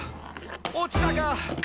落ちたか！」